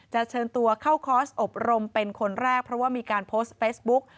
เชิญตัวเข้าคอร์สอบรมเป็นคนแรกเพราะว่ามีการโพสต์เฟซบุ๊ก